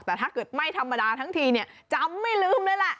แต่ถ้าเกิดไม่ธรรมดาทั้งทีเนี่ยจำไม่ลืมเลยแหละ